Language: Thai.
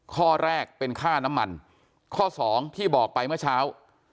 ข้อแรกเป็นค่าน้ำมันข้อสองที่บอกไปเมื่อเช้า